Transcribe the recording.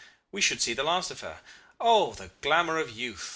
We should see the last of her. Oh the glamour of youth!